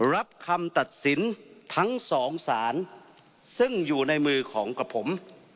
รับคำตัดสินทั้งสองสารซึ่งอยู่ในมือของกับผม